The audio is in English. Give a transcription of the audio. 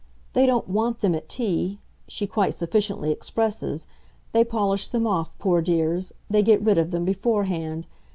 They don't WANT them at tea, she quite sufficiently expresses; they polish them off, poor dears, they get rid of them, beforehand.